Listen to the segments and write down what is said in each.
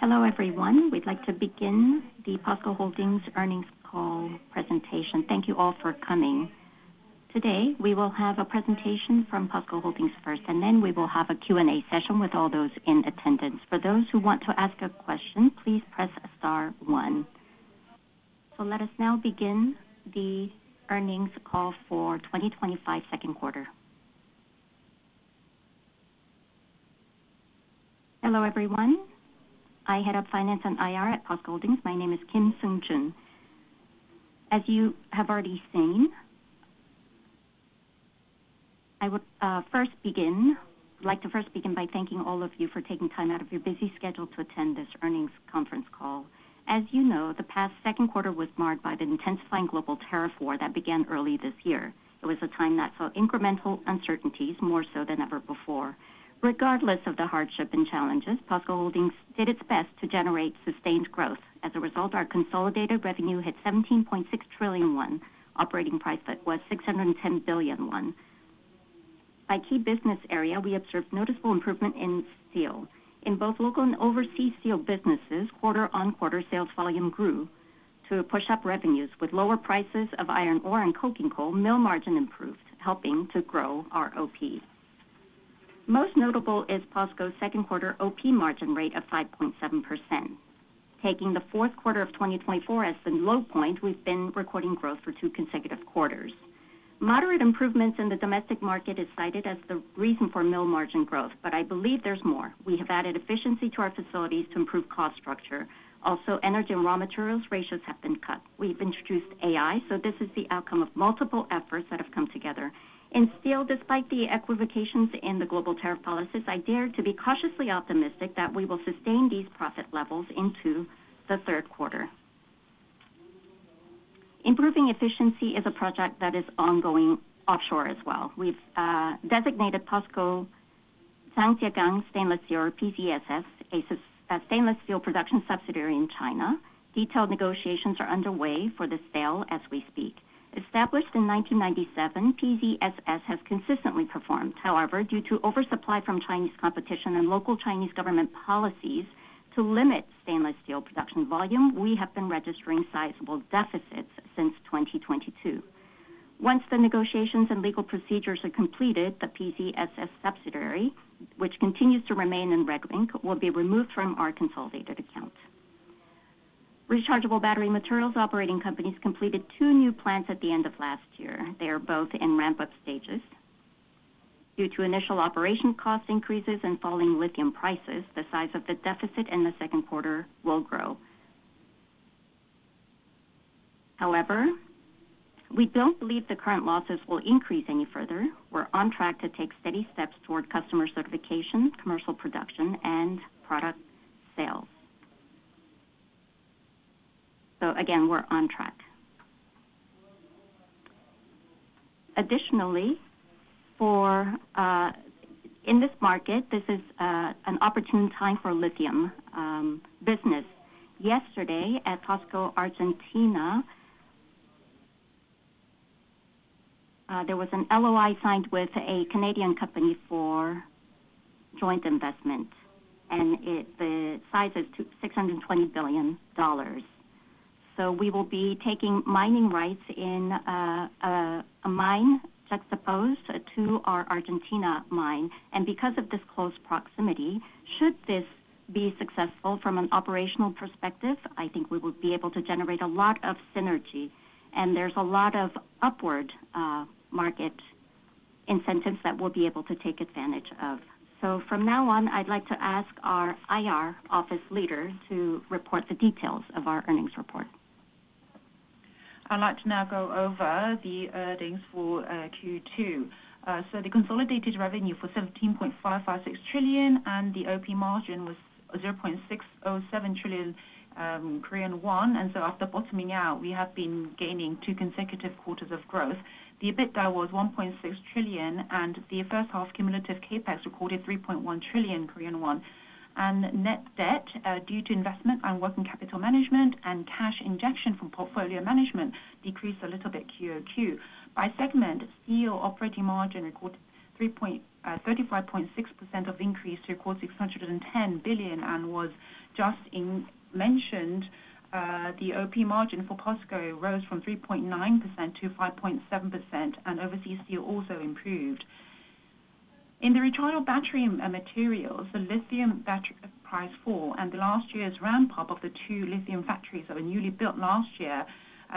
Hello everyone, we'd like to begin the POSCO Holdings Earnings Call presentation. Thank you all for coming. Today we will have a presentation from POSCO Holdings first, ``and then we will have a Q&A session with all those in attendance. For those who want to ask a question, please press star one. Let us now begin the earnings call for 2025 second quarter. Hello everyone, I head up Finance and Investor Relations at POSCO Holdings. My name is Seung Jun Kim. As you have already seen, I'd like to first begin by thanking all of you for taking time out of your busy schedule to attend this earnings conference call. As you know, the past second quarter was marred by the intensifying global tariff war that began early this year. It was a time that saw incremental uncertainties more so than ever before. Regardless of the hardship and challenges, POSCO Holdings did its best to generate sustained growth. As a result, our consolidated revenue hit 17.6 trillion won, operating profit was 610 billion won. By key business area, we observed noticeable improvement in steel. In both local and overseas steel businesses, quarter-on-quarter sales volume grew to push up revenues. With lower prices of iron ore and cooking coal, mill margin improved, helping to grow our operating profit. Most notable is POSCO Holdings' second quarter operating profit margin rate of 5.7%. Taking the fourth quarter of 2024 as the low point, we've been recording growth for two consecutive quarters. Moderate improvements in the domestic market are cited as the reason for mill margin growth, but I believe there's more. We have added efficiency to our facilities to improve cost structure. Also, energy and raw materials ratios have been cut. We've introduced AI, so this is the outcome of multiple efforts that have come together. In steel, despite the equivocations in the global tariff policies, I dare to be cautiously optimistic that we will sustain these profit levels into the third quarter. Improving efficiency is a project that is ongoing offshore as well. We've designated POSCO Zhangjiagang Stainless Steel, or PZSS, a stainless steel production subsidiary in China. Detailed negotiations are underway for the sale as we speak. Established in 1997, PZSS has consistently performed. However, due to oversupply from Chinese competition and local Chinese government policies to limit stainless steel production volume, we have been registering sizable deficits since 2022. Once the negotiations and legal procedures are completed, the PZSS subsidiary, which continues to remain in Reg Link, will be removed from our consolidated account. Rechargeable battery materials operating companies completed two new plants at the end of last year. They are both in ramp-up stages. Due to initial operation cost increases and falling lithium prices, the size of the deficit in the second quarter will grow. However, we don't believe the current losses will increase any further. We're on track to take steady steps toward customer certification, commercial production, and product sales. We're on track. Additionally, in this market, this is an opportune time for lithium business. Yesterday at POSCO Argentina, there was an LOI signed with a Canadian company for joint investment, and the size is $620 billion. We will be taking mining rights in a mine, juxtaposed to our Argentina mine. Because of this close proximity, should this be successful from an operational perspective, I think we will be able to generate a lot of synergy, and there's a lot of upward market incentives that we'll be able to take advantage of. From now on, I'd like to ask our IR Office Leader to report the details of our earnings report. I'd like to now go over the earnings for Q2. The consolidated revenue was 17.556 trillion and the OP margin was 0.607 trillion Korean won. After bottoming out, we have been gaining two consecutive quarters of growth. The EBITDA was 1.6 trillion, and the first half cumulative CAPEX recorded 3.1 trillion Korean won. Net debt, due to investment and working capital management and cash injection from portfolio management, decreased a little bit QoQ. By segment, steel operating margin recorded 35.6% of increase to a quarter of 610 billion. As was just mentioned, the OP margin for POSCO rose from 3.9%-5.7%, and overseas steel also improved. In the rechargeable battery materials, the lithium battery price fall and last year's ramp-up of the two lithium factories that were newly built last year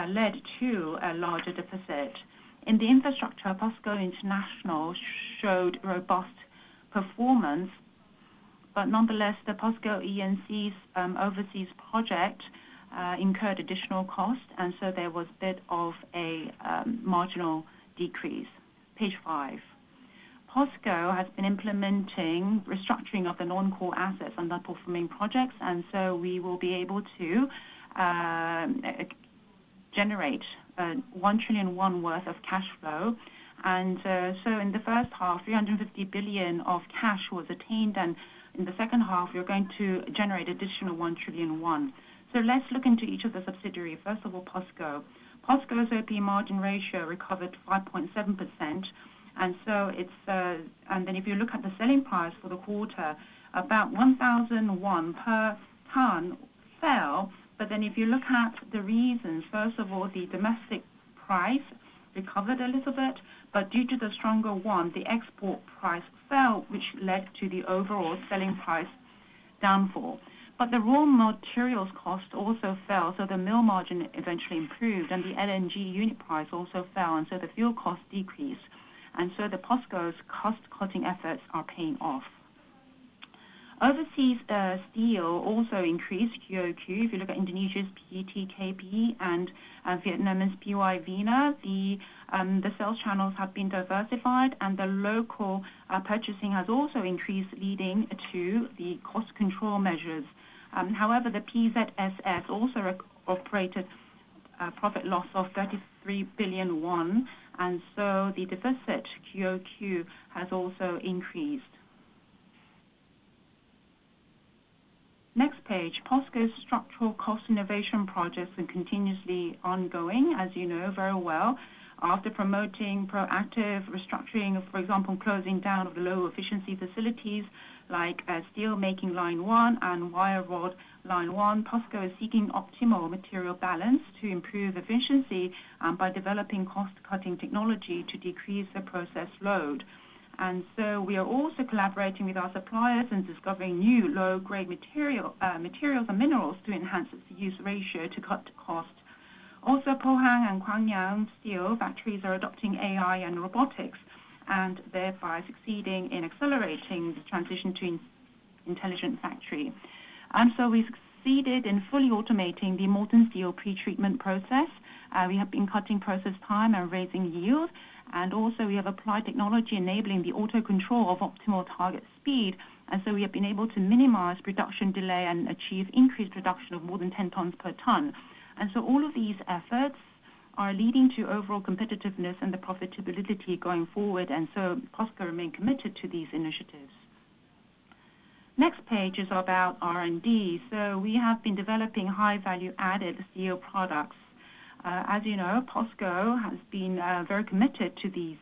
led to a larger deficit. In infrastructure, POSCO International showed robust performance. Nonetheless, POSCO E&C's overseas project incurred additional cost, and there was a bit of a marginal decrease. Page five. POSCO has been implementing restructuring of the non-core assets and underperforming projects, and we will be able to generate 1 trillion won worth of cash flow. In the first half, 350 billion of cash was attained, and in the second half, we're going to generate additional 1 trillion won. Let's look into each of the subsidiaries. First of all, POSCO. POSCO's OP margin ratio recovered to 5.7%. If you look at the selling price for the quarter, about 1,000 won per ton fell. If you look at the reasons, first of all, the domestic price recovered a little bit, but due to the stronger won, the export price fell, which led to the overall selling price downfall. The raw materials cost also fell, so the mill margin eventually improved, and the LNG unit price also fell, so the fuel cost decreased. POSCO's cost-cutting efforts are paying off. Overseas steel also increased QoQ. If you look at Indonesia's PTKB and Vietnam's PY VINA, the sales channels have been diversified, and the local purchasing has also increased, leading to the cost control measures. However, PZSS also operated a profit loss of 33 billion won, so the deficit QoQ has also increased. Next page, POSCO's structural cost innovation projects are continuously ongoing, as you know very well. After promoting proactive restructuring, for example, closing down of the low-efficiency facilities like steel making line one and wire rod line one, POSCO is seeking optimal material balance to improve efficiency by developing cost-cutting technology to decrease the process load. We are also collaborating with our suppliers and discovering new low-grade materials and minerals to enhance its use ratio to cut costs. Also, Pohang and Gwangyang steel factories are adopting AI and automation, thereby succeeding in accelerating the transition to intelligent factory. We succeeded in fully automating the molten steel pretreatment process. We have been cutting process time and raising yield, and we have applied technology enabling the auto control of optimal target speed. We have been able to minimize production delay and achieve increased production of more than 10 tons per ton. All of these efforts are leading to overall competitiveness and the profitability going forward, and POSCO remains committed to these initiatives. Next page is about R&D. We have been developing high-value-added steel products. As you know, POSCO has been very committed to these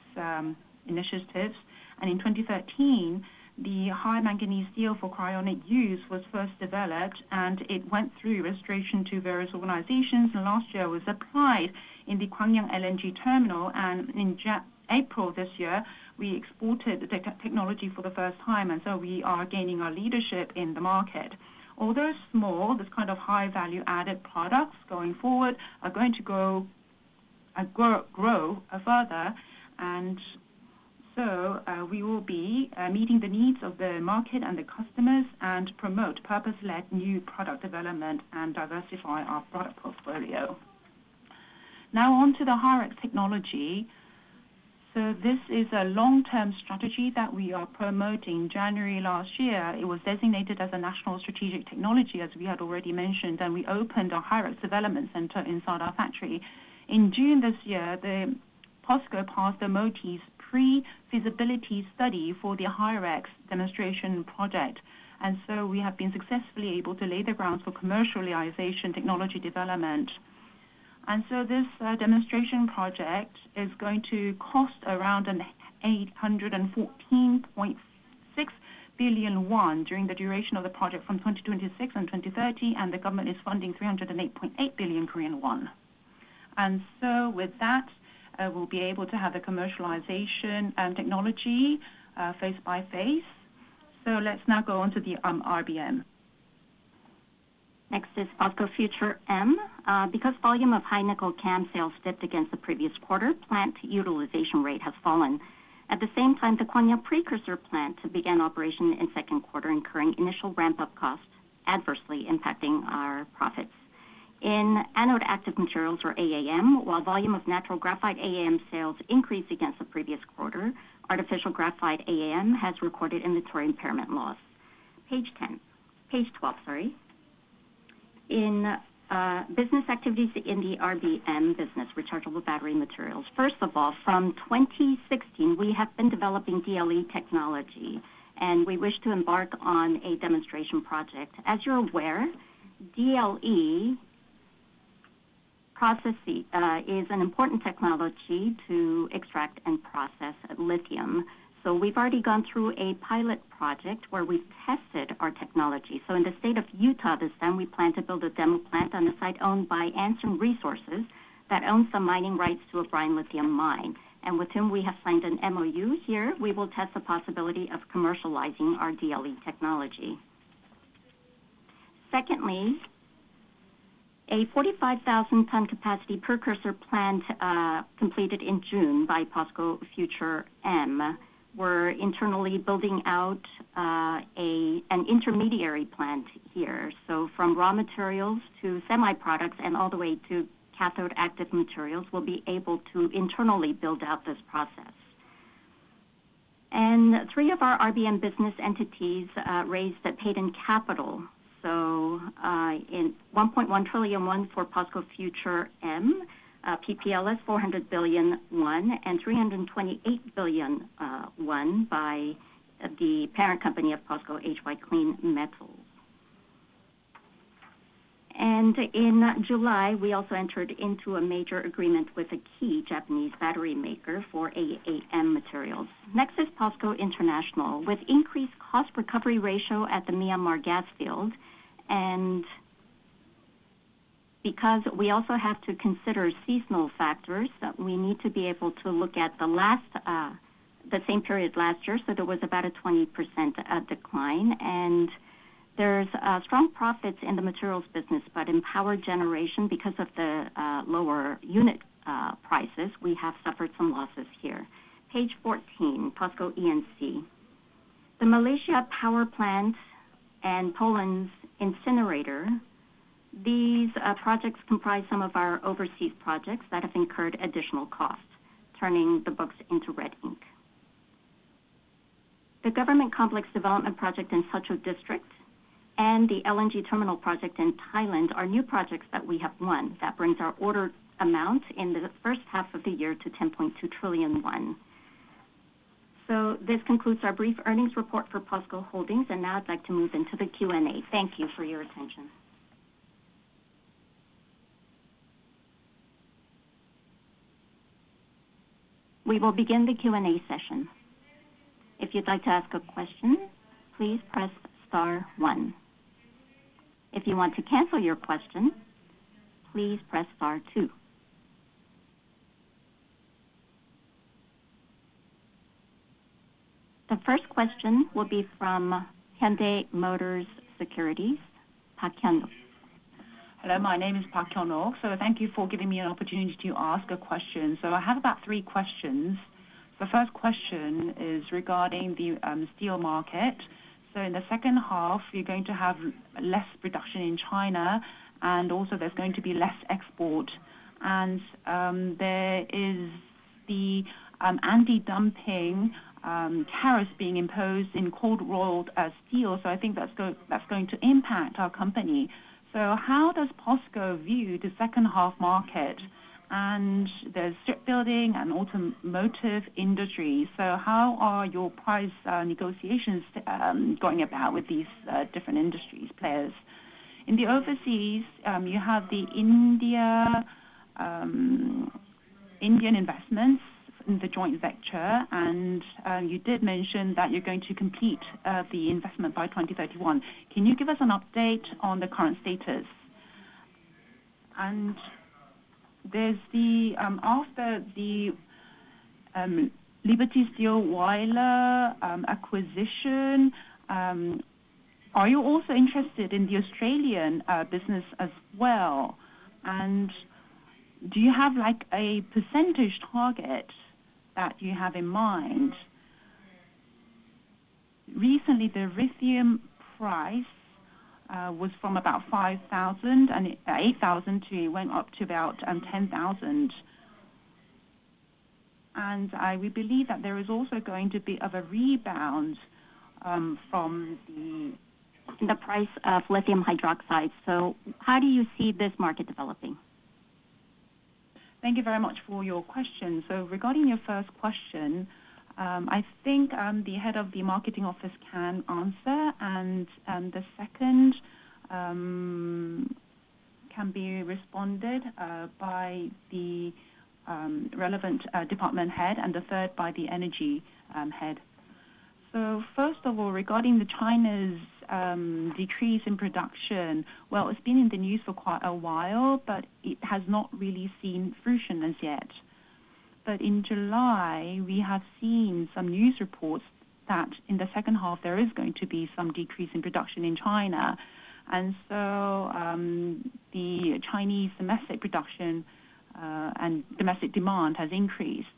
initiatives, and in 2013, the high manganese steel for cryogenic use was first developed, and it went through registration to various organizations, and last year it was applied in the Gwangyang LNG terminal. In April this year, we exported the technology for the first time, and we are gaining our leadership in the market. Although small, this kind of high-value-added products going forward are going to grow further. We will be meeting the needs of the market and the customers and promote purpose-led new product development and diversify our product portfolio. Now on to the HyREX technology. This is a long-term strategy that we are promoting. January last year, it was designated as a national strategic technology, as we had already mentioned, and we opened a HyREX development center inside our factory. In June this year, POSCO passed the MoTES pre-feasibility study for the HyREX demonstration project, and we have been successfully able to lay the ground for commercialization technology development. This demonstration project is going to cost around 814.6 billion won during the duration of the project from 2026-2030, and the government is funding 308.8 billion Korean won. With that, we'll be able to have the commercialization technology phase by phase. Let's now go on to the RBM. Next is POSCO Future M. Because volume of high-nickel CAM sales dipped against the previous quarter, plant utilization rate has fallen. At the same time, the Gwangyang precursor plant began operation in second quarter, incurring initial ramp-up costs, adversely impacting our profits. In anode active materials, or AAM, while volume of natural graphite AAM sales increased against the previous quarter, artificial graphite AAM has recorded inventory impairment loss. Page 10. Page 12, sorry. In business activities in the RBM business, rechargeable battery materials. First of all, from 2016, we have been developing DLE technology, and we wish to embark on a demonstration project. As you're aware, DLE process is an important technology to extract and process lithium. We've already gone through a pilot project where we've tested our technology. In the state of Utah this time, we plan to build a demo plant on the site owned by Anson Resources that owns some mining rights to a brine lithium mine. With whom we have signed an MOU, here we will test the possibility of commercializing our DLE technology. Secondly, a 45,000-ton capacity precursor plant completed in June by POSCO Future M. We're internally building out an intermediary plant here. From raw materials to semi-products and all the way to cathode active materials, we'll be able to internally build out this process. Three of our RBM business entities raised that paid-in capital. 1.1 trillion for POSCO Future M, PPLS 400 billion, and 328 billion by the parent company of POSCO, HY Clean Metals. In July, we also entered into a major agreement with a key Japanese battery maker for AAM materials. Next is POSCO International. With increased cost recovery ratio at the Myanmar gas field, and because we also have to consider seasonal factors, we need to be able to look at the same period last year, so there was about a 20% decline. There's strong profits in the materials business, but in power generation, because of the lower unit prices, we have suffered some losses here. Page 14, POSCO E&C. The Malaysia Power Plant and Poland's incinerator. These projects comprise some of our overseas projects that have incurred additional costs, turning the books into red ink. The government complex development project in Sutchu District and the LNG terminal project in Thailand are new projects that we have won that brings our order amount in the first half of the year to 10.2 trillion won. This concludes our brief earnings report for POSCO Holdings, and now I'd like to move into the Q&A. Thank you for your attention. We will begin the Q&A session. If you'd like to ask a question, please press star one. If you want to cancel your question, please press star two. The first question will be from Hyundai Motor Securities, Park Hyun Wook. Hello, my name is Park Hyun Wook. Thank you for giving me an opportunity to ask a question. I have about three questions. The first question is regarding the steel market. In the second half, you're going to have less production in China, and also there's going to be less export. There are the anti-dumping tariffs being imposed in cold-rolled steel, so I think that's going to impact our company. How does POSCO view the second half market? There's strip building and automotive industry, so how are your price negotiations going about with these different industry players? In the overseas, you have the Indian investments in the joint venture, and you did mention that you're going to complete the investment by 2031. Can you give us an update on the current status? After the Liberty Steel Wiler acquisition, are you also interested in the Australian business as well? Do you have a percentage target that you have in mind? Recently, the lithium price was from about 8,000 to it went up to about 10,000, and we believe that there is also going to be a rebound from the the price of lithium hydroxide. How do you see this market developing? Thank you very much for your question. Regarding your first question, I think the Head of the Marketing Office can answer, and the second can be responded by the relevant department head, and the third by the Energy of Head. First of all, regarding China's decrease in production, it's been in the news for quite a while, but it has not really seen fruition as yet. In July, we have seen some news reports that in the second half, there is going to be some decrease in production in China. The Chinese domestic production and domestic demand has increased.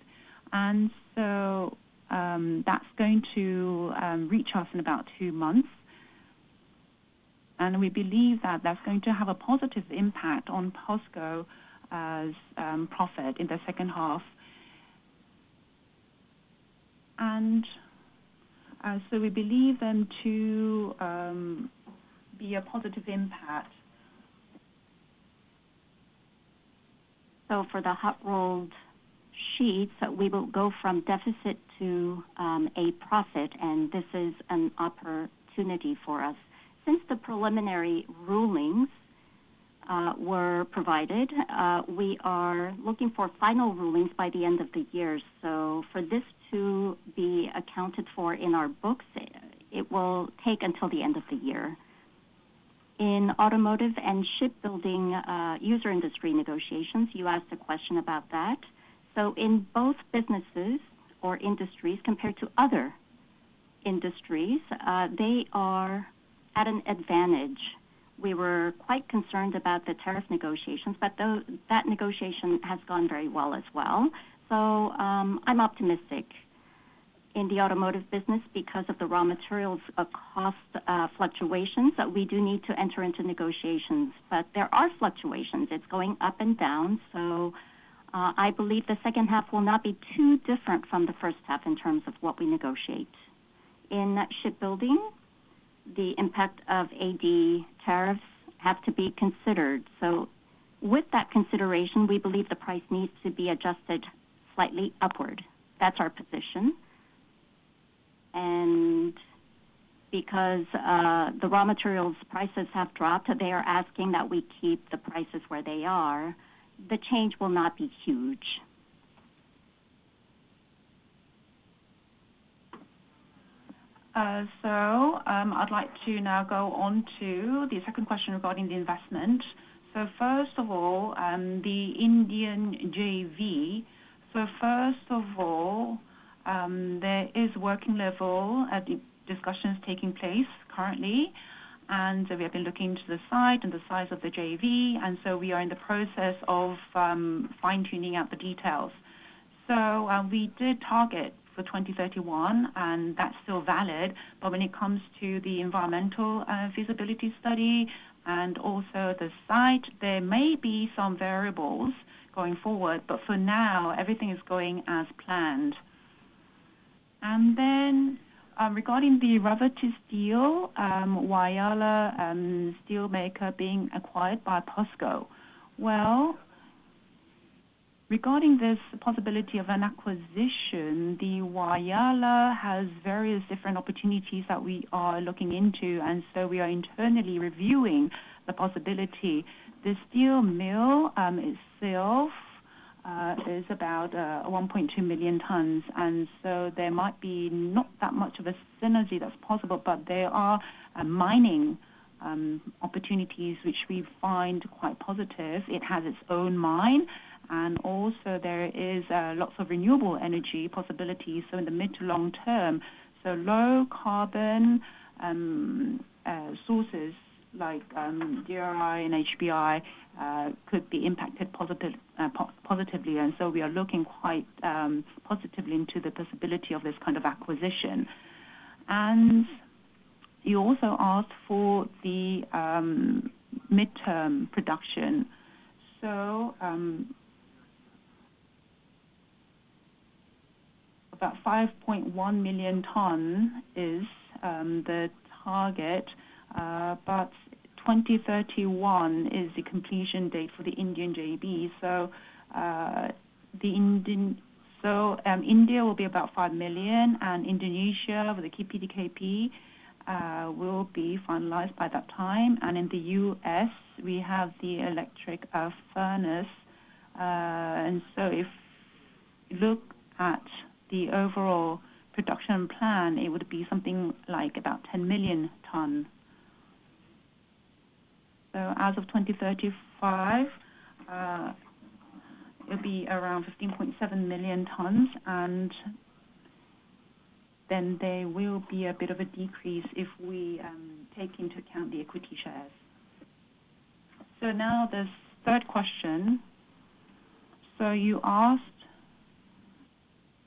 That's going to reach us in about two months, and we believe that that's going to have a positive impact on POSCO's profit in the second half. We believe them to be a positive impact. For the hot-rolled sheets, we will go from deficit to a profit, and this is an opportunity for us. Since the preliminary rulings were provided, we are looking for final rulings by the end of the year. For this to be accounted for in our books, it will take until the end of the year. In automotive and shipbuilding user industry negotiations, you asked a question about that. In both businesses or industries compared to other industries, they are at an advantage. We were quite concerned about the tariff negotiations, but that negotiation has gone very well as well. I'm optimistic. In the automotive business, because of the raw materials cost fluctuations, we do need to enter into negotiations. There are fluctuations; it's going up and down. I believe the second half will not be too different from the first half in terms of what we negotiate. In shipbuilding, the impact of AD tariffs has to be considered. With that consideration, we believe the price needs to be adjusted slightly upward. That's our position. Because the raw materials prices have dropped, they are asking that we keep the prices where they are. The change will not be huge. I'd like to now go on to the second question regarding the investment. First of all, the Indian JV. There are working level discussions taking place currently, and we have been looking into the site and the size of the JV. We are in the process of fine-tuning out the details. We did target for 2031, and that's still valid. When it comes to the environmental feasibility study and also the site, there may be some variables going forward, but for now, everything is going as planned. Regarding the Reverties Steel, Whyalla Steelmaker being acquired by POSCO. Regarding this possibility of an acquisition, the Whyalla has various different opportunities that we are looking into, and we are internally reviewing the possibility. The steel mill itself is about 1.2 million tons, and there might not be that much of a synergy that's possible, but there are mining opportunities which we find quite positive. It has its own mine, and also there are lots of renewable energy possibilities. In the mid to long term, low carbon sources like DRI and HPI could be impacted positively. We are looking quite positively into the possibility of this kind of acquisition. You also asked for the mid-term production. About 5.1 million ton is the target, but 2031 is the completion date for the Indian JV. India will be about 5 million, and Indonesia with the KPDKP will be finalized by that time. In the U.S., we have the electric furnace. If you look at the overall production plan, it would be something like about 10 million ton. As of 2035, it'll be around 15.7 million tons, and then there will be a bit of a decrease if we take into account the equity shares. Now the third question.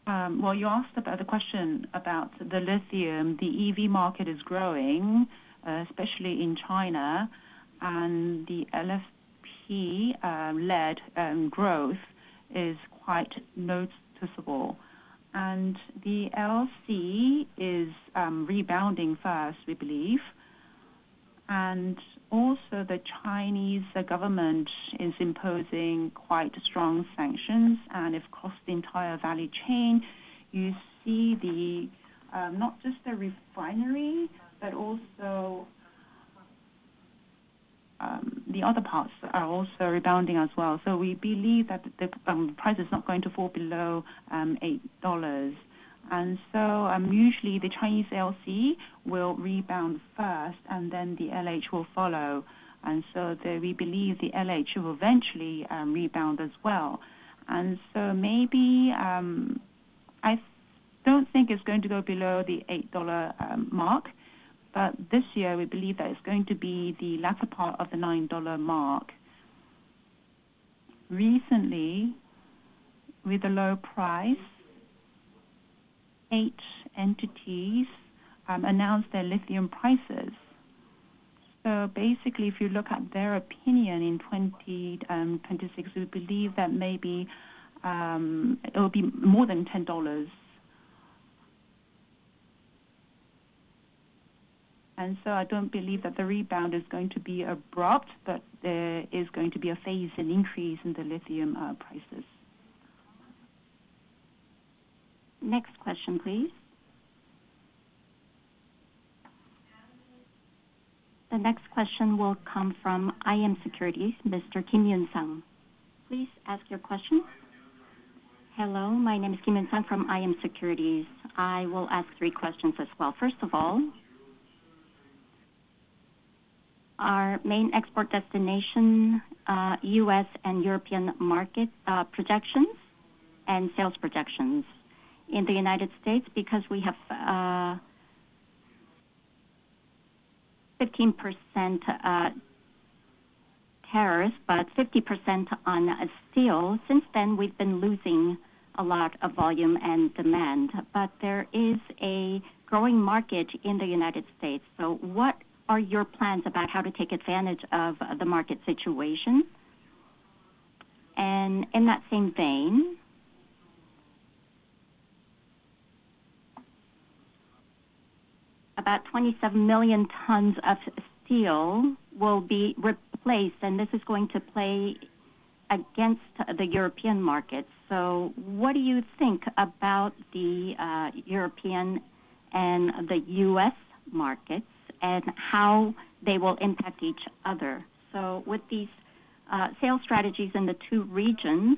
You asked about the question about the lithium. The EV market is growing, especially in China, and the LFP-led growth is quite noticeable. The LFP is rebounding fast, we believe. Also, the Chinese government is imposing quite strong sanctions. If you cost the entire value chain, you see not just the refinery, but also the other parts are also rebounding as well. We believe that the price is not going to fall below $8. Usually, the Chinese LFP will rebound first, and then the LH will follow. We believe the LH will eventually rebound as well. Maybe. I don't think it's going to go below the $8 mark, but this year we believe that it's going to be the latter part of the $9 mark. Recently, with a low price, eight entities announced their lithium prices. Basically, if you look at their opinion in 2026, we believe that maybe it will be more than $10. I don't believe that the rebound is going to be abrupt, but there is going to be a phase and increase in the lithium prices. Next question, please. The next question will come from IM Securities, Mr. Kim Yun Sang. Please ask your question. Hello, my name is Kim Yun Sang from IM Securities. I will ask three questions as well. First of all, our main export destination, U.S. and European market projections and sales projections. In the United States, because we have 15% tariffs but 50% on steel, since then we've been losing a lot of volume and demand. There is a growing market in the United States. What are your plans about how to take advantage of the market situation? In that same vein, about 27 million tons of steel will be replaced, and this is going to play against the European markets. What do you think about the European and the U.S. markets and how they will impact each other? With these sales strategies in the two regions,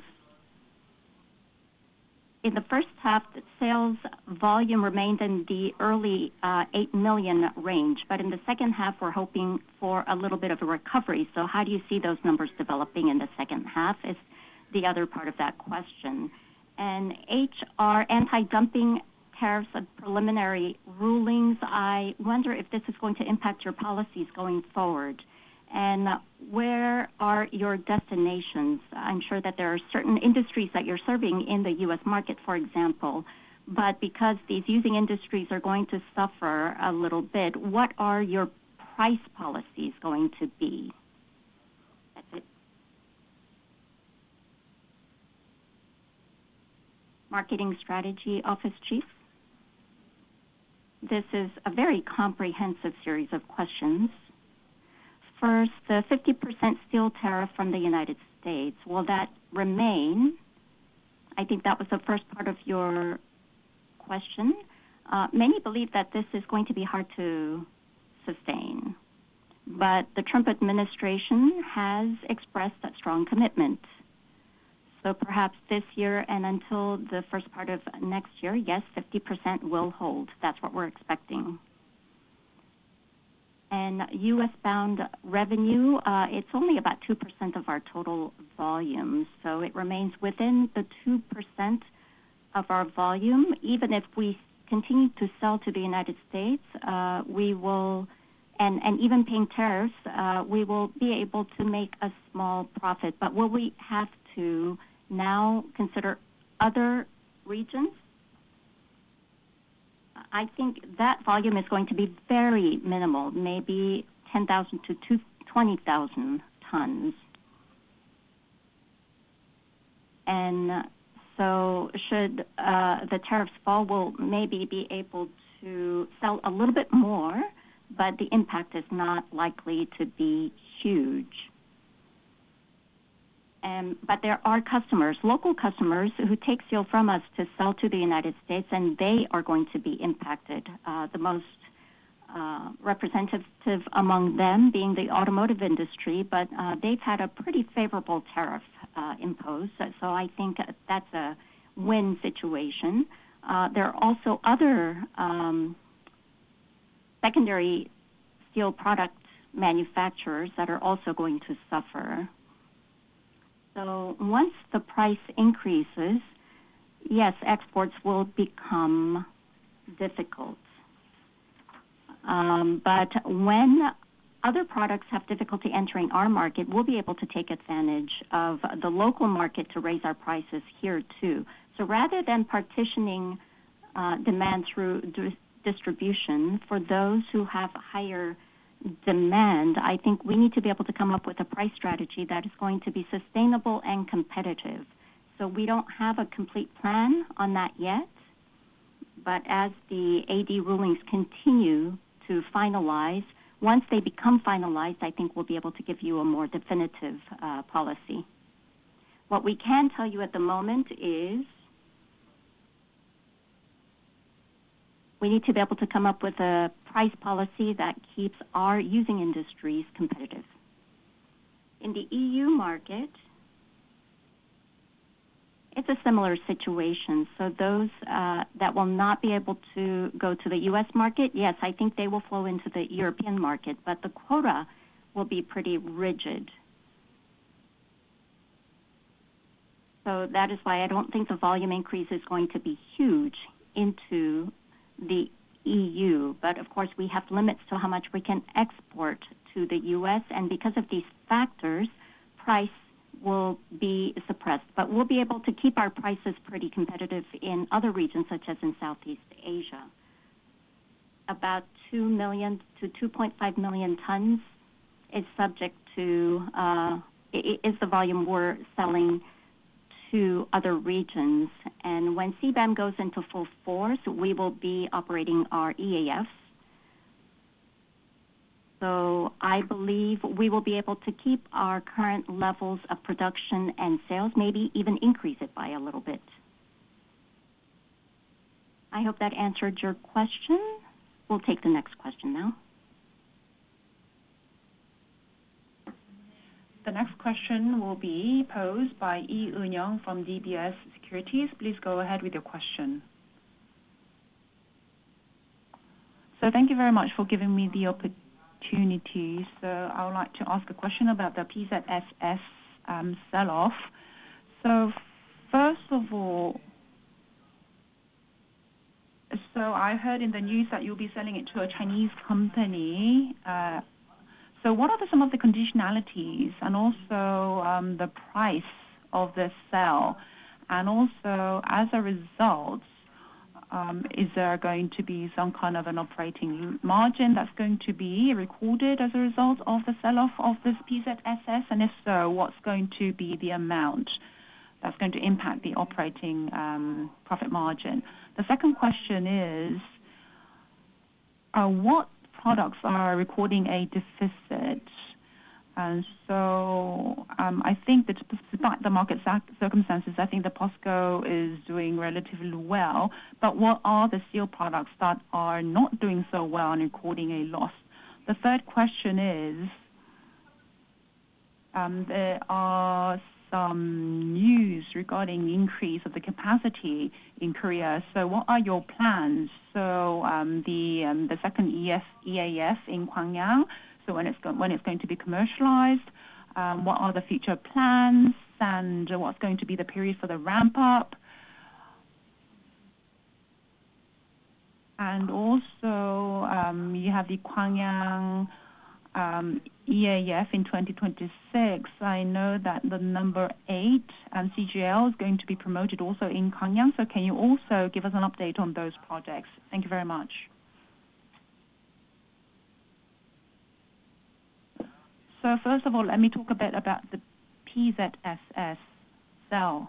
in the first half, sales volume remained in the early 8 million range, but in the second half, we're hoping for a little bit of a recovery. How do you see those numbers developing in the second half is the other part of that question. HR anti-dumping tariffs and preliminary rulings, I wonder if this is going to impact your policies going forward. Where are your destinations? I'm sure that there are certain industries that you're serving in the U.S. market, for example, but because these using industries are going to suffer a little bit, what are your price policies going to be? That's it. Marketing Strategy Office Chief. This is a very comprehensive series of questions. First, the 50% steel tariff from the United States, will that remain? I think that was the first part of your question. Many believe that this is going to be hard to sustain. The Trump administration has expressed that strong commitment. Perhaps this year and until the first part of next year, yes, 50% will hold. That's what we're expecting. U.S.-bound revenue, it's only about 2% of our total volume. It remains within the 2% of our volume. Even if we continue to sell to the United States and even paying tariffs, we will be able to make a small profit. Will we have to now consider other regions? I think that volume is going to be very minimal, maybe 10,000 -20,000 tons. Should the tariffs fall, we'll maybe be able to sell a little bit more, but the impact is not likely to be huge. There are customers, local customers, who take steel from us to sell to the United States, and they are going to be impacted the most. Representative among them being the automotive industry, but they've had a pretty favorable tariff imposed. I think that's a win situation. There are also other secondary steel product manufacturers that are also going to suffer. Once the price increases, yes, exports will become difficult. When other products have difficulty entering our market, we'll be able to take advantage of the local market to raise our prices here too. Rather than partitioning demand through distribution for those who have higher demand, I think we need to be able to come up with a price strategy that is going to be sustainable and competitive. We don't have a complete plan on that yet. As the anti-dumping measures rulings continue to finalize, once they become finalized, I think we'll be able to give you a more definitive policy. What we can tell you at the moment is we need to be able to come up with a price policy that keeps our using industries competitive. In the EU market, it's a similar situation. Those that will not be able to go to the U.S. market, yes, I think they will flow into the European market, but the quota will be pretty rigid. That is why I don't think the volume increase is going to be huge into the EU. Of course, we have limits to how much we can export to the U.S., and because of these factors, price will be suppressed. We'll be able to keep our prices pretty competitive in other regions, such as in Southeast Asia. About 2 million-2.5 million tons is the volume we're selling to other regions. When CBAM goes into full force, we will be operating our EAFs. I believe we will be able to keep our current levels of production and sales, maybe even increase it by a little bit. I hope that answered your question. We'll take the next question now. The next question will be posed by Lee Eun Young from DBS Securities. Please go ahead with your question. Thank you very much for giving me the opportunity. I would like to ask a question about the PZSS selloff. First of all, I heard in the news that you'll be selling it to a Chinese company. What are some of the conditionalities and also the price of the sale? As a result, is there going to be some kind of an operating margin that's going to be recorded as a result of the sell-off of this PZSS? If so, what's going to be the amount that's going to impact the operating profit margin? The second question is, what products are recording a deficit? I think that despite the market circumstances, I think POSCO is doing relatively well. What are the steel products that are not doing so well and recording a loss? The third question is, there are some news regarding the increase of the capacity in Korea. What are your plans? The second EAF in Gwangyang, when is it going to be commercialized, what are the future plans, and what's going to be the period for the ramp-up? You have the Gwangyang EAF in 2026. I know that the number eight and CGL is going to be promoted also in Gwangyang. Can you also give us an update on those projects? Thank you very much. First of all, let me talk a bit about the PZSS sale.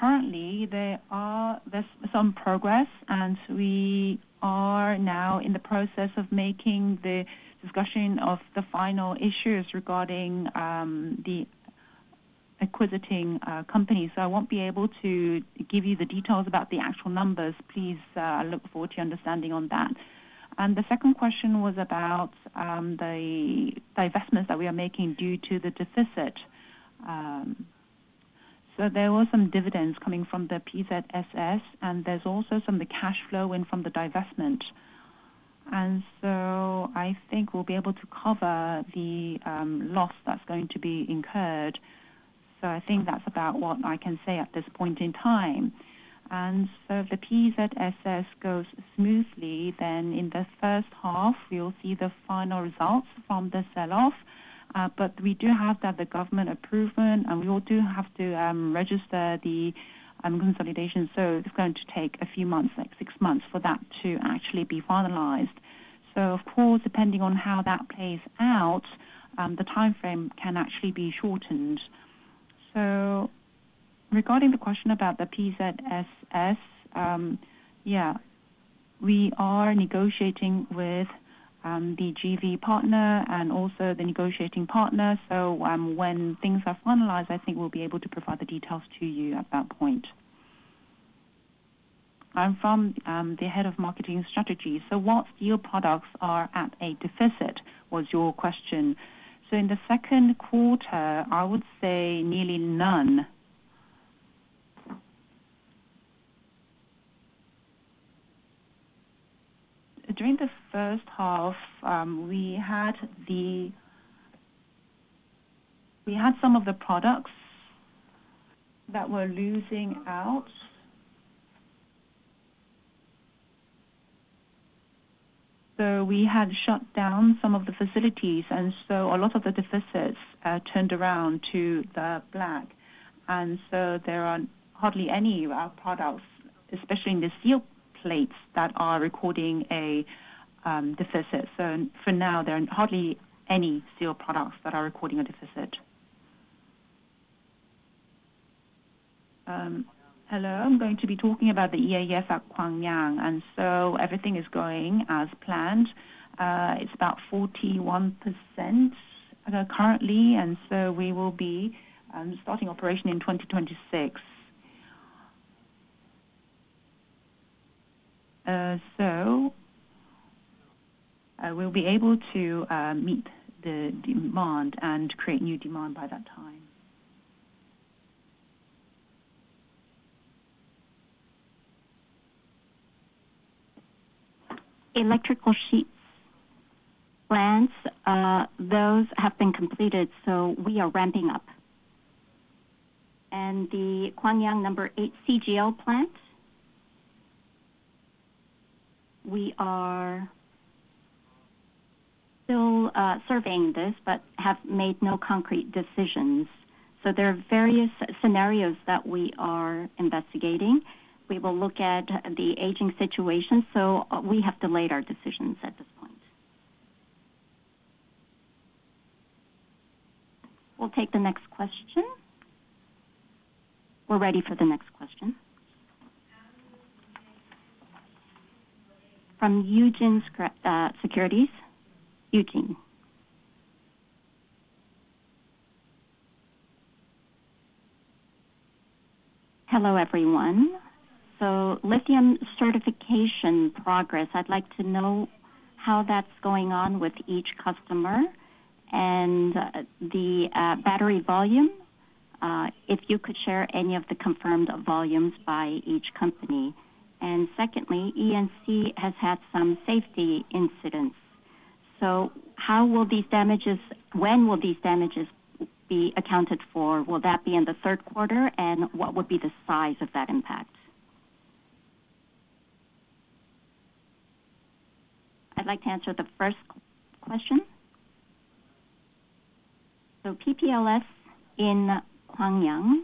Currently, there's some progress, and we are now in the process of making the discussion of the final issues regarding the acquiring company. I won't be able to give you the details about the actual numbers. Please look forward to your understanding on that. The second question was about the investments that we are making due to the deficit. There were some dividends coming from the PZSS, and there's also some of the cash flowing from the divestment. I think we'll be able to cover the loss that's going to be incurred. I think that's about what I can say at this point in time. If the PZSS goes smoothly, then in the first half, we'll see the final results from the selloff. We do have the government approval, and we will have to register the consolidation. It's going to take a few months, like six months, for that to actually be finalized. Of course, depending on how that plays out, the timeframe can actually be shortened. Regarding the question about the PZSS, we are negotiating with the JV partner and also the negotiating partner. When things are finalized, I think we'll be able to provide the details to you at that point. I'm from the Head of Marketing Strategy. What steel products are at a deficit was your question. In the second quarter, I would say nearly none. During the first half, we had some of the products that were losing out. We had shut down some of the facilities, and a lot of the deficits turned around to the black. There are hardly any products, especially in the steel plates, that are recording a deficit. For now, there are hardly any steel products that are recording a deficit. Hello. I'm going to be talking about the EAF at Gwangyang. Everything is going as planned. It's about 41% currently, and we will be starting operation in 2026. We will be able to meet the demand and create new demand by that time. Electrical sheets plants, those have been completed, so we are ramping up. The Gwangyang number eight CGL plant, we are still surveying this but have made no concrete decisions. There are various scenarios that we are investigating. We will look at the aging situation, so we have delayed our decisions at this point. We'll take the next question. We're ready for the next question from Eugene Securities. Eugene, hello, everyone. Lithium certification progress, I'd like to know how that's going on with each customer, and the battery volume, if you could share any of the confirmed volumes by each company. Secondly, POSCO E&C has had some safety incidents. How will these damages, when will these damages be accounted for? Will that be in the third quarter, and what would be the size of that impact? I'd like to answer the first question. PPLS in Gwangyang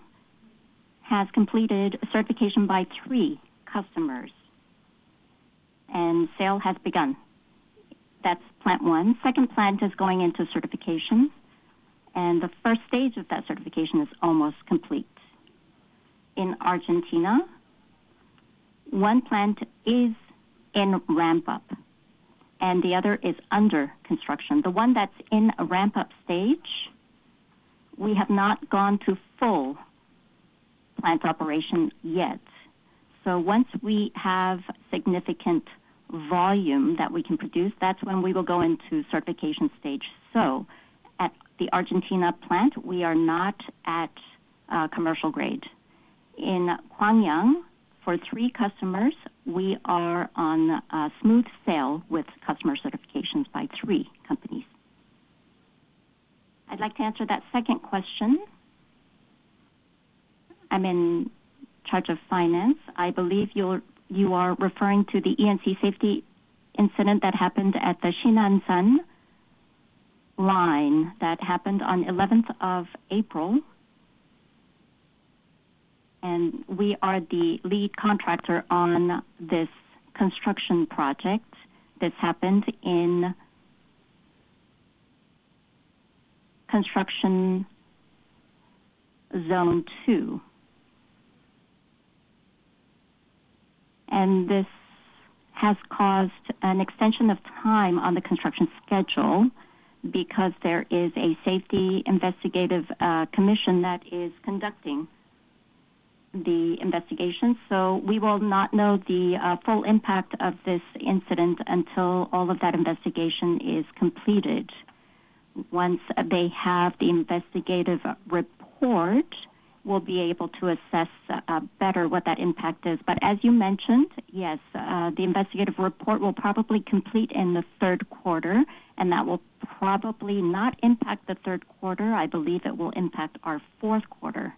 has completed certification by three customers, and sale has begun. That's plant one. The second plant is going into certification, and the first stage of that certification is almost complete. In Argentina, one plant is in ramp-up and the other is under construction. The one that's in a ramp-up stage, we have not gone to full plant operation yet. Once we have significant volume that we can produce, that's when we will go into certification stage. At the Argentina plant, we are not at commercial grade. In Gwangyang, for three customers, we are on a smooth sale with customer certifications by three companies. I'd like to answer that second question. I'm in charge of finance. I believe you are referring to the POSCO E&C safety incident that happened at the Shinansan line that happened on 11th of April. We are the lead contractor on this construction project that's happened in construction zone two, and this has caused an extension of time on the construction schedule because there is a safety investigative commission that is conducting the investigation. We will not know the full impact of this incident until all of that investigation is completed. Once they have the investigative report, we'll be able to assess better what that impact is. As you mentioned, yes, the investigative report will probably complete in the third quarter, and that will probably not impact the third quarter. I believe it will impact our fourth quarter.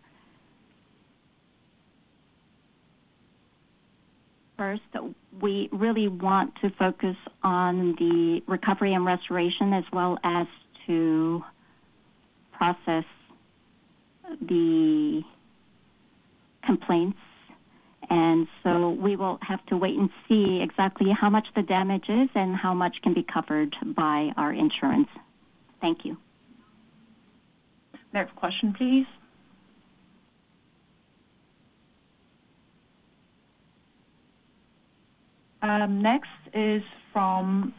First, we really want to focus on the recovery and restoration as well as to process the complaints. We will have to wait and see exactly how much the damage is and how much can be covered by our insurance. Thank you. Next question, please. Next is from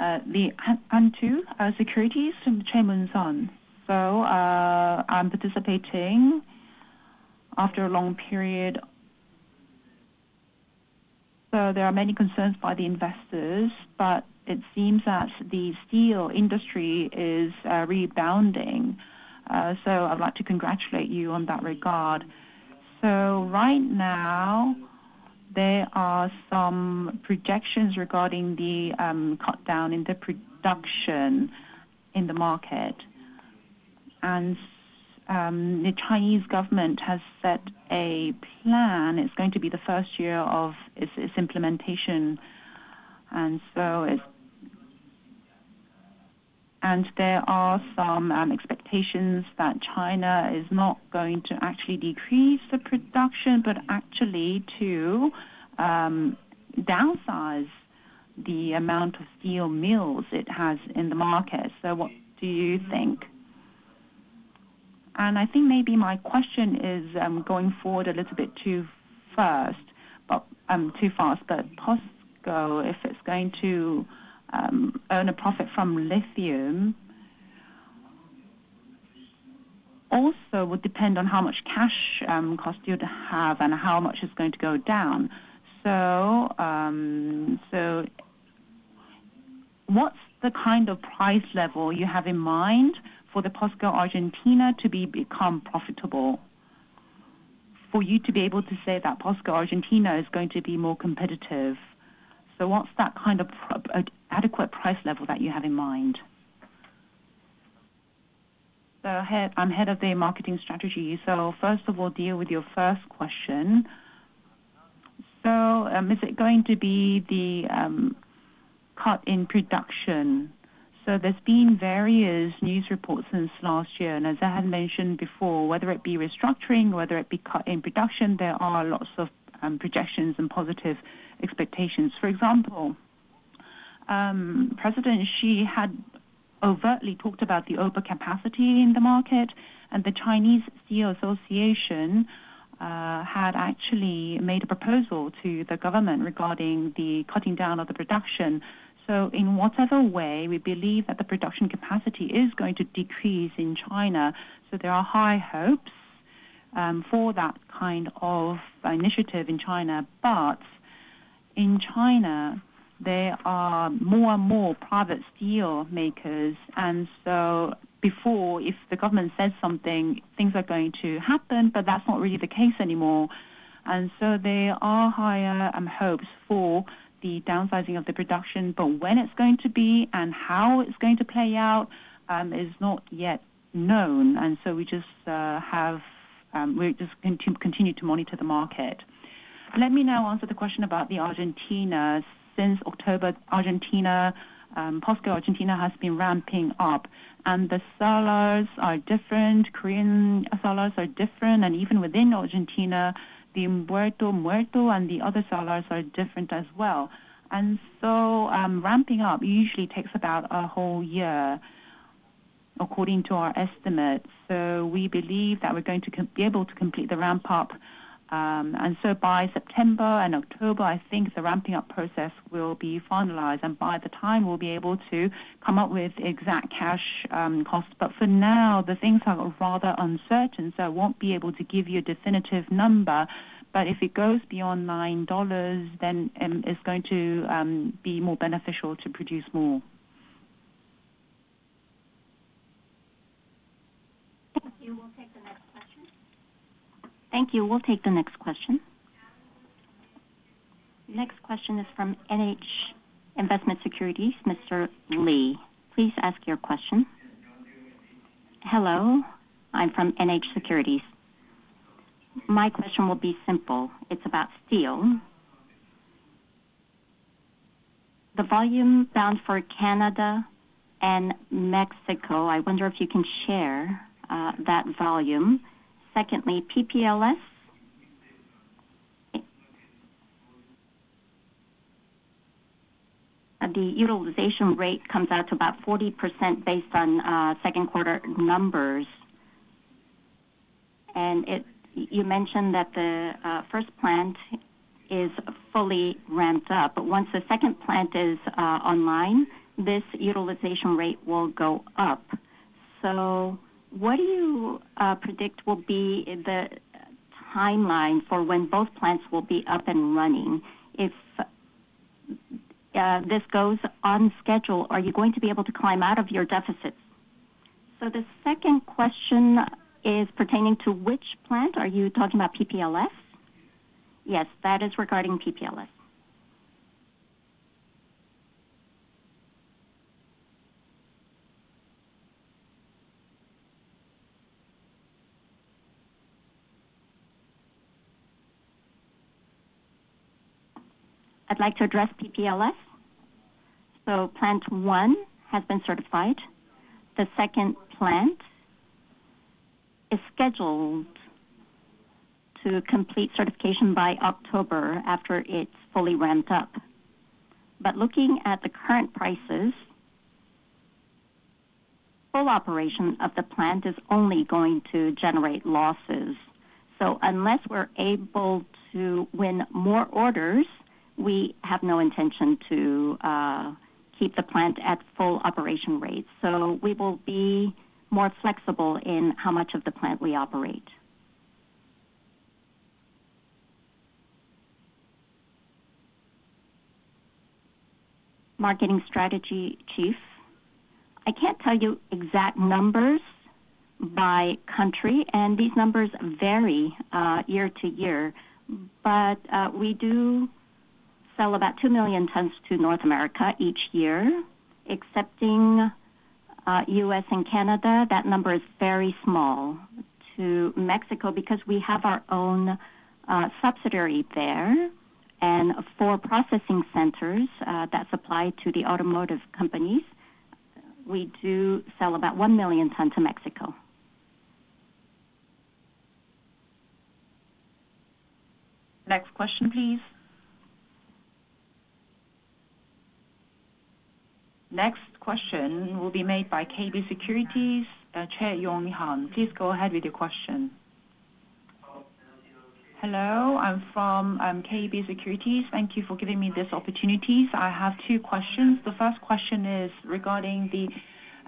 The Hunt Two Securities, Chen Mun San. I'm participating after a long period. There are many concerns by the investors, but it seems that the steel industry is rebounding. I'd like to congratulate you in that regard. Right now, there are some projections regarding the cutdown in the production in the market. The Chinese government has set a plan. It's going to be the first year of its implementation. There are some expectations that China is not going to actually decrease the production, but actually to downsize the amount of steel mills it has in the market. What do you think? I think maybe my question is going forward a little bit too fast, but POSCO, if it's going to earn a profit from lithium, also would depend on how much cash cost you have and how much it's going to go down. What's the kind of price level you have in mind for POSCO Argentina to become profitable? For you to be able to say that POSCO Argentina is going to be more competitive, what's that kind of adequate price level that you have in mind? I'm Head of the Marketing Strategy. First of all, to deal with your first question, is it going to be the cut in production? There have been various news reports since last year, and as I had mentioned before, whether it be restructuring or whether it be cut in production, there are lots of projections and positive expectations. For example, President Xi had overtly talked about the overcapacity in the market, and the Chinese Steel Association had actually made a proposal to the government regarding the cutting down of the production. In whatever way, we believe that the production capacity is going to decrease in China. There are high hopes for that kind of initiative in China. In China, there are more and more private steel makers, and before, if the government said something, things are going to happen, but that's not really the case anymore. There are higher hopes for the downsizing of the production, but when it's going to be and how it's going to play out is not yet known. We are just continuing to monitor the market. Let me now answer the question about Argentina. Since October, Argentina, POSCO Argentina has been ramping up. The sellers are different. Korean sellers are different, and even within Argentina, the Muerto Muerto and the other sellers are different as well. Ramping up usually takes about a whole year, according to our estimates. We believe that we're going to be able to complete the ramp-up, and by September and October, I think the ramping-up process will be finalized. By that time, we'll be able to come up with exact cash costs. For now, things are rather uncertain, so I won't be able to give you a definitive number. If it goes beyond $9, it's going to be more beneficial to produce more. Thank you. We'll take the next question. Next question is from NH Investment & Securities, Mr. Lee. Please ask your question. Hello. I'm from NH Securities. My question will be simple. It's about steel. The volume bound for Canada and Mexico, I wonder if you can share that volume. Secondly, PPLS. The utilization rate comes out to about 40% based on second-quarter numbers. You mentioned that the first plant is fully ramped up. Once the second plant is online, this utilization rate will go up. What do you predict will be the timeline for when both plants will be up and running? If this goes on schedule, are you going to be able to climb out of your deficits? The second question is pertaining to which plant? Are you talking about PPLS? Yes, that is regarding PPLS. I'd like to address PPLS. Plant one has been certified. The second plant is scheduled to complete certification by October after it's fully ramped up. Looking at the current prices, full operation of the plant is only going to generate losses. Unless we're able to win more orders, we have no intention to keep the plant at full operation rates. We will be more flexible in how much of the plant we operate. Marketing Strategy Chief, I can't tell you exact numbers by country, and these numbers vary year to year. We do sell about ttwo million tons to North America each year. Excepting U.S. and Canada, that number is very small. To Mexico, because we have our own subsidiary there and for processing centers that supply to the automotive companies, we do sell about one million tons to Mexico. Next question, please. Next question will be made by KB Securities, Chair Yong Han. Please go ahead with your question. Hello. I'm from KB Securities. Thank you for giving me this opportunity. I have two questions. The first question is regarding the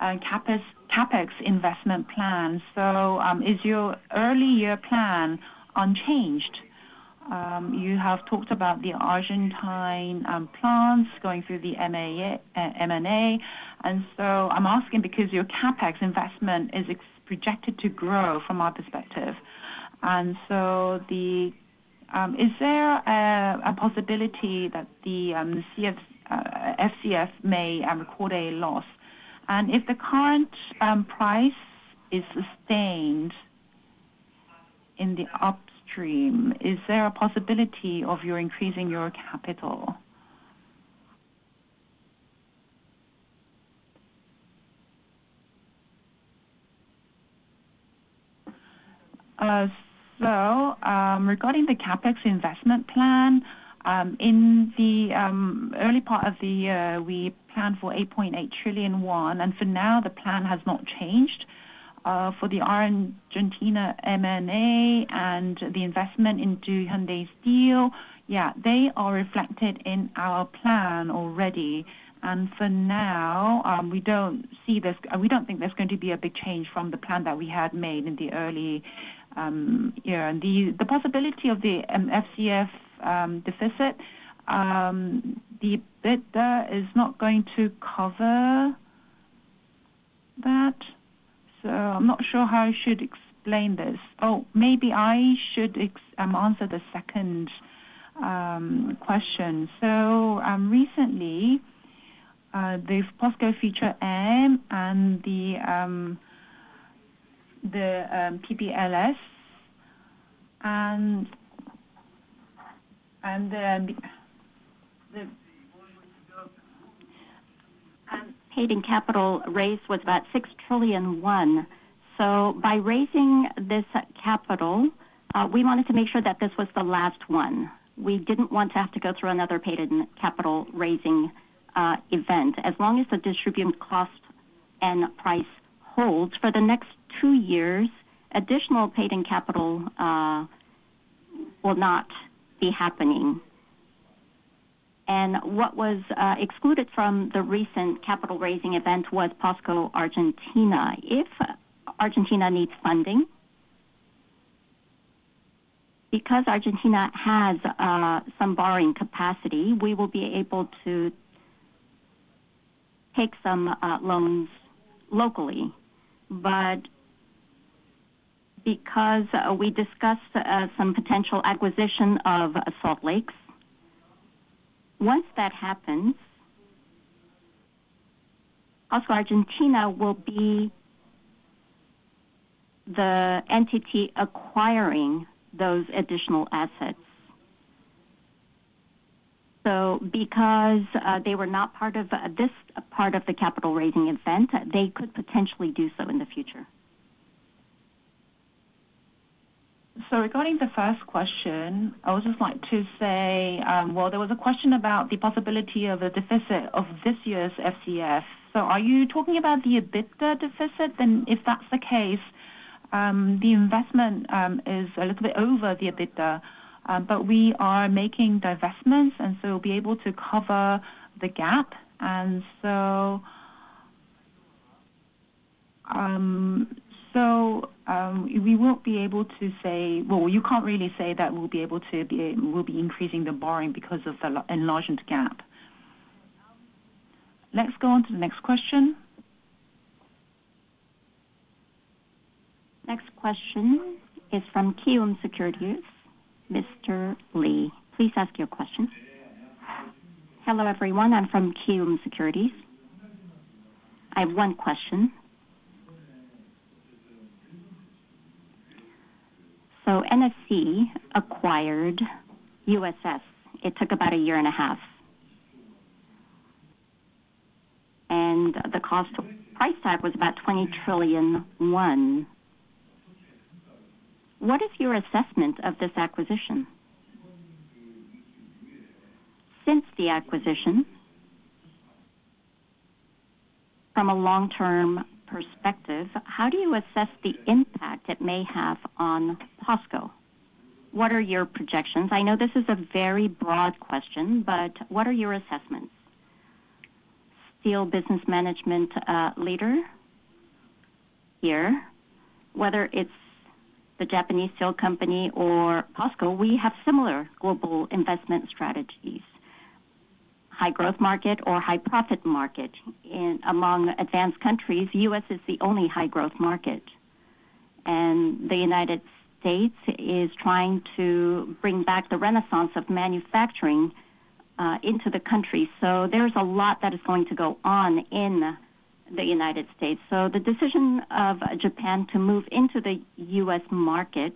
CapEx investment plan. Is your early year plan unchanged? You have talked about the Argentina plans going through the M&A. I'm asking because your CapEx investment is projected to grow from my perspective. Is there a possibility that the FCF may record a loss? If the current price is sustained in the upstream, is there a possibility of you increasing your capital? Regarding the CapEx investment plan, in the early part of the year, we planned for 8.8 trillion won. For now, the plan has not changed. For the Argentina M&A and the investment into Hyundai Steel, yeah, they are reflected in our plan already. For now, we don't see this, we don't think there's going to be a big change from the plan that we had made in the early year. The possibility of the FCF deficit, the EBITDA is not going to cover that. I'm not sure how I should explain this. Maybe I should answer the second question. Recently, the POSCO Future M and the PPLS. Paid-in capital raise was about 6 trillion. By raising this capital, we wanted to make sure that this was the last one. We didn't want to have to go through another paid-in capital raising event. As long as the distribution cost and price holds for the next two years, additional paid-in capital will not be happening. What was excluded from the recent capital raising event was POSCO Argentina. If Argentina needs funding, because Argentina has some borrowing capacity, we will be able to take some loans locally. Because we discussed some potential acquisition of Salt Lakes, once that happens, POSCO Argentina will be the entity acquiring those additional assets. Because they were not part of this part of the capital raising event, they could potentially do so in the future. Regarding the first question, I would just like to say there was a question about the possibility of a deficit of this year's FCF. Are you talking about the EBITDA deficit? If that's the case, the investment is a little bit over the EBITDA, but we are making divestments, and we'll be able to cover the gap. We won't be able to say you can't really say that we'll be able to be increasing the borrowing because of the enlarged gap. Let's go on to the next question. Next question is from Kyum Securities, Mr. Lee. Please ask your question. Hello everyone. I'm from Kyum Securities. I have one question. NSC acquired USS. It took about a year and a half. The cost. Price tag was about 20 trillion. What is your assessment of this acquisition? Since the acquisition, from a long-term perspective, how do you assess the impact it may have on POSCO? What are your projections? I know this is a very broad question, but what are your assessments? Steel business management. Leader. Here, whether it's the Japanese steel company or POSCO, we have similar global investment strategies. High-growth market or high-profit market. Among advanced countries, the U.S. is the only high-growth market. The United States is trying to bring back the renaissance of manufacturing into the country. There is a lot that is going to go on in the United States. The decision of Japan to move into the U.S. market,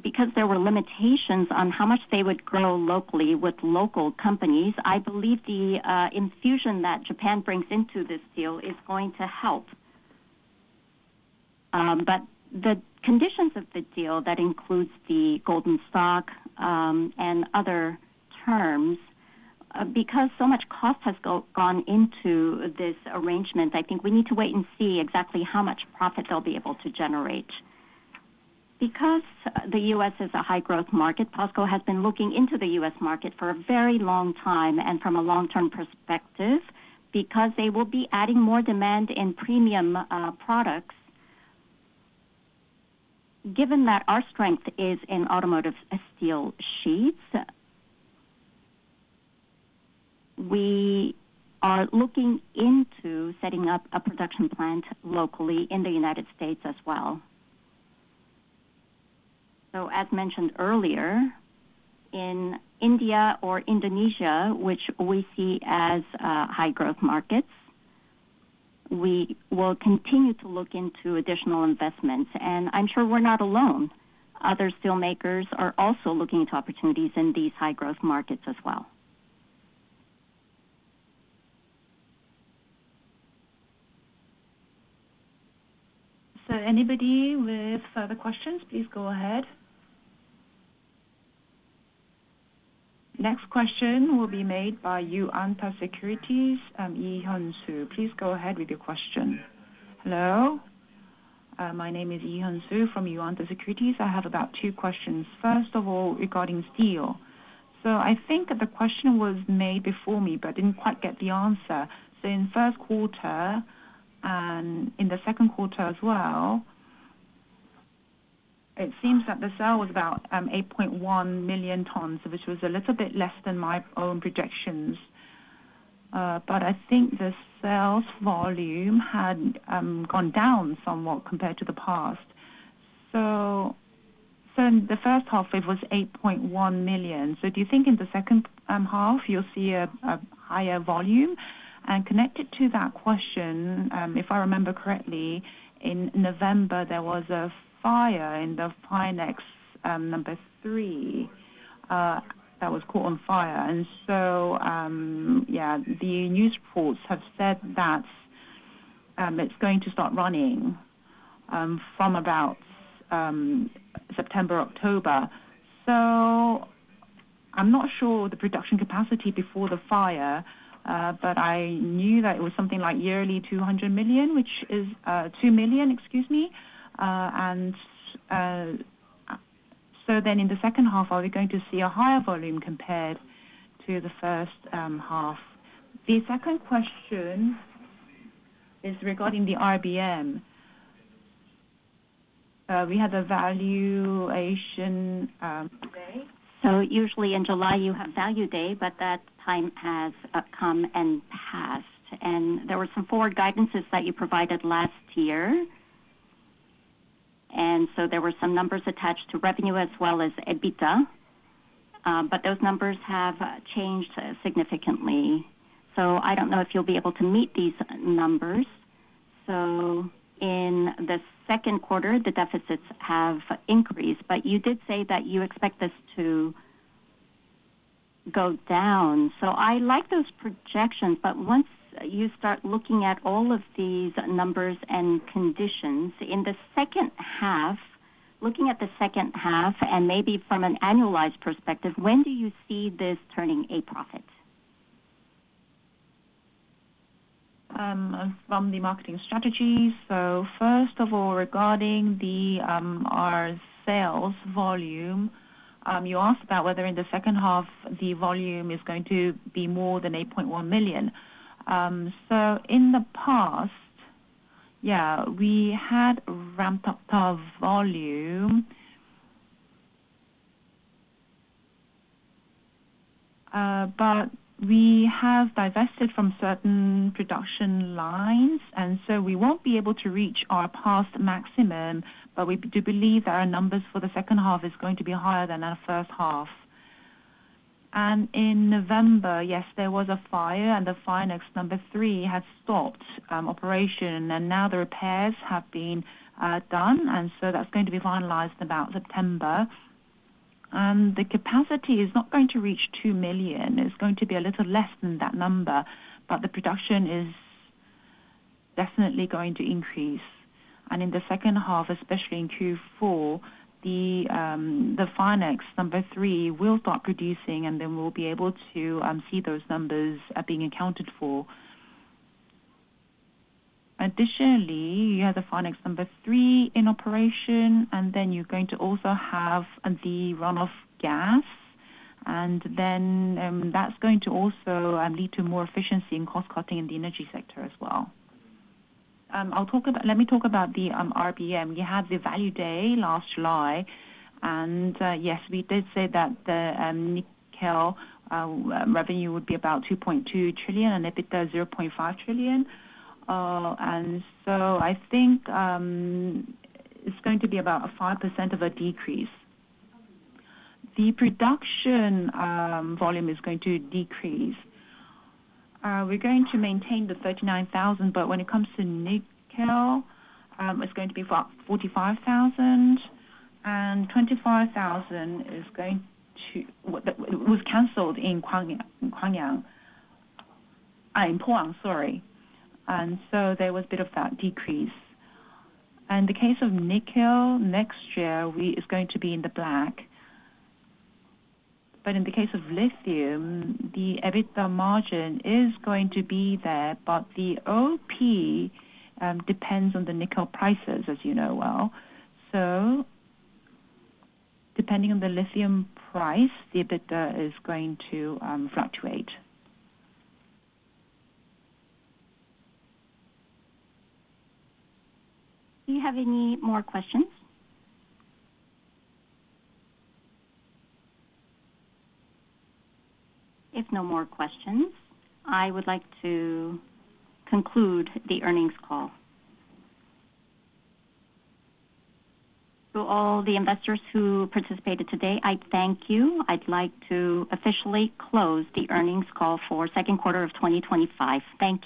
because there were limitations on how much they would grow locally with local companies, I believe the infusion that Japan brings into this deal is going to help. The conditions of the deal that include the golden stock and other terms, because so much cost has gone into this arrangement, I think we need to wait and see exactly how much profit they'll be able to generate. Because the U.S. is a high-growth market, POSCO Holdings has been looking into the U.S. market for a very long time and from a long-term perspective because they will be adding more demand in premium products. Given that our strength is in automotive steel sheets, we are looking into setting up a production plant locally in the United States as well. As mentioned earlier, in India or Indonesia, which we see as high-growth markets, we will continue to look into additional investments. I'm sure we're not alone. Other steel makers are also looking into opportunities in these high-growth markets as well. Anybody with further questions, please go ahead. Next question will be made by Yuanta Securities, Lee Hyun Soo. Please go ahead with your question. Hello. My name is Lee Hyun Soo from Yuanta Securities. I have about two questions. First of all, regarding steel. I think the question was made before me, but I didn't quite get the answer. In the first quarter and in the second quarter as well, it seems that the sale was about 8.1 million tons, which was a little bit less than my own projections. I think the sales volume had gone down somewhat compared to the past. In the first half, it was 8.1 million. Do you think in the second half you'll see a higher volume? Connected to that question, if I remember correctly, in November, there was a fire in the Pohang number three that was caught on fire. The news reports have said that it's going to start running from about September, October. I'm not sure the production capacity before the fire, but I knew that it was something like yearly two million. In the second half, are we going to see a higher volume compared to the first half? The second question is regarding the IBM. We had a valuation. Usually in July, you have value day, but that time has come and passed. There were some forward guidances that you provided last year, and there were some numbers attached to revenue as well as EBITDA. Those numbers have changed significantly. I don't know if you'll be able to meet these numbers. In the second quarter, the deficits have increased. You did say that you expect this to go down. I like those projections, but once you start looking at all of these numbers and conditions, in the second half, looking at the second half and maybe from an annualized perspective, when do you see this turning a profit? From the marketing strategy. First of all, regarding our sales volume, you asked about whether in the second half the volume is going to be more than 8.1 million. In the past, we had ramped up our volume, but we have divested from certain production lines, and we won't be able to reach our past maximum. We do believe that our numbers for the second half are going to be higher than our first half. In November, there was a fire, and the Pionex number three had stopped operation. Now the repairs have been done, and that's going to be finalized in about September. The capacity is not going to reach two million; it's going to be a little less than that number, but the production is definitely going to increase. In the second half, especially in Q4, the FINEX number three will start producing, and then we'll be able to see those numbers being accounted for. Additionally, you have the FINEX number three in operation, and then you're going to also have the runoff gas, and that's going to also lead to more efficiency and cost-cutting in the energy sector as well. Let me talk about the RBM. You had the value day last July, and we did say that the nickel revenue would be about 2.2 trillion and EBITDA 0.5 trillion. I think it's going to be about 5% of a decrease. The production volume is going to decrease. We're going to maintain the 39,000, but when it comes to nickel, it's going to be about 45,000. 25,000 is going to—it was canceled in Gwangyang. In Gwangyang. In Gwang, sorry. There was a bit of that decrease. In the case of nickel, next year it's going to be in the black. In the case of lithium, the EBITDA margin is going to be there, but the OP depends on the nickel prices, as you know well. Depending on the lithium price, the EBITDA is going to fluctuate. Do you have any more questions? If no more questions, I would like to conclude the earnings call. To all the investors who participated today, I thank you. I'd like to officially close the earnings call for the second quarter of 2025. Thank you.